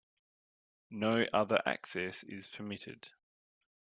No other access is permitted.